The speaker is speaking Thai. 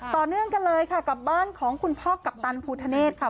ต่อเนื่องกันเลยค่ะกับบ้านของคุณพ่อกัปตันภูทะเนธค่ะ